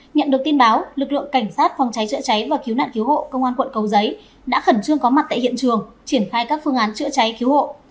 nhận được tin báo lực lượng cảnh sát phòng cháy chữa cháy và cứu nạn cứu hộ công an quận cầu giấy đã khẩn trương có mặt tại hiện trường triển khai các phương án chữa cháy cứu hộ